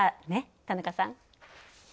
田中さん。